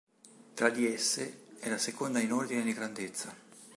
Tra di esse, è la seconda in ordine di grandezza.